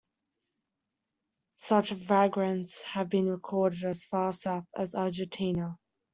Such vagrants have been recorded as far south as Argentina.